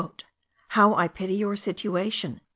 "How I pity your situation!"